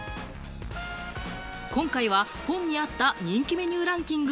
今回は本にあった人気メニューランキング